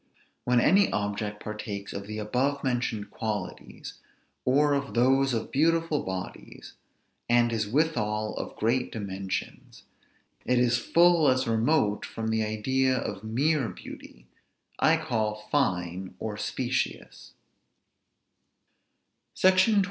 When any object partakes of the above mentioned qualities, or of those of beautiful bodies, and is withal of great dimensions, it is full as remote from the idea of mere beauty; I call fine or specious. SECTION XXIV.